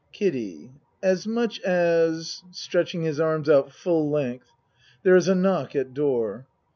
KIDDIE As much as (Stretching his arms out full length. There is a knock at door.)